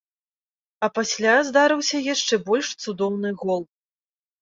А пасля здарыўся яшчэ больш цудоўны гол.